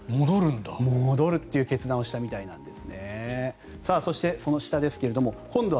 戻るという決断をしたみたいなんです。